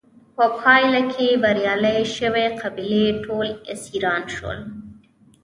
په پایله کې به بریالۍ شوې قبیلې ټول اسیران وژل.